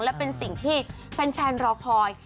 และเป็นสิ่งที่แฟนรอคอย